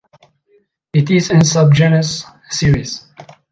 It is in the subgenus "Cerris".